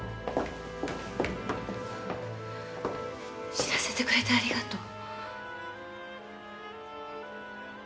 知らせてくれてありがとう。